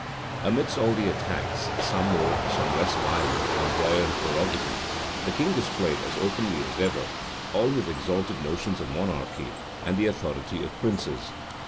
Amidst all these attacks, some more, some less violent, on royal prerogative, the king displayed, as openly as ever, all his exalted notions of monarchy and the authority of princes.